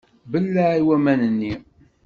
Belleε i waman-nni!